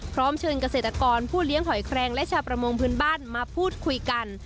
พร้อมเชิญเกษตรกรผู้เลี้ยงหอยแครงและชาวประมงพื้นบ้านมาพูดคุยกัน